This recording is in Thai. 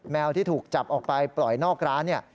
ที่ถูกจับออกไปปล่อยนอกร้านเนี่ย